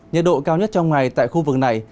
nhiệt độ cao nhất trong ngày tại khu vực này